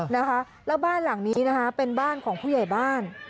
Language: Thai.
นะคะแล้วบ้านหลังนี้นะคะเป็นบ้านของผู้ใหญ่บ้าน